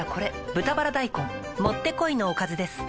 「豚バラ大根」もってこいのおかずです